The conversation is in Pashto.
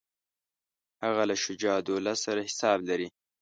هغه له شجاع الدوله سره حساب لري.